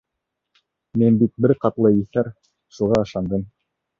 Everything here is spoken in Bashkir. Мин бит, бер ҡатлы иҫәр, шуға ышандым!